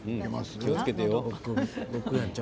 気をつけてよ。